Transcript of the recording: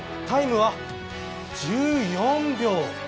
タイムは１４秒。